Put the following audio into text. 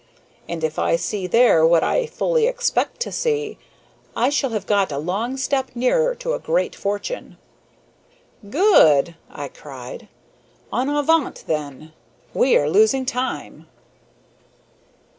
And if I see there what I fully expect to see, I shall have got a long step nearer to a great fortune." "Good!" I cried. "En avant, then! We are losing time."